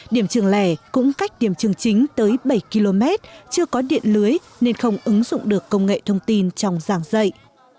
điểm trường lẻ cũng cách điểm trường chính tới bảy km chưa có điện lưới nên không ứng dụng được công nghệ thông tin trong giảng dạy